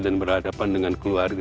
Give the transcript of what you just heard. dan berhadapan dengan keluarga